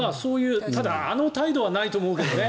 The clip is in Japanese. ただあの態度はないと思うけどね。